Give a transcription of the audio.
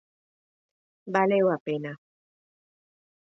Valeu a pena.